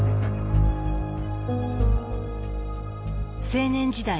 青年時代